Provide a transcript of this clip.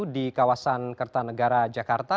di kawasan kertanegara jakarta